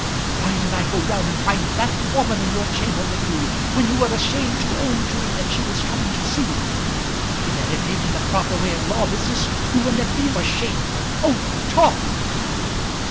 Why did I go down and find that woman in your chamber with you, when you were ashamed to own to me that she was coming to see you? If it had been in the proper way of law business, you wouldn't have been ashamed. Oh, Tom!"